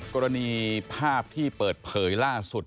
กรณีภาพที่เปิดเผยล่าสุด